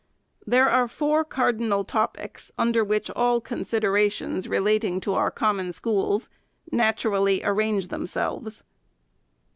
There are four cardinal topics, under which all consid erations, relating to our Common Schools, naturally arrange themselves.